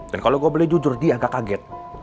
dan kalau gue beli jujur dia agak kaget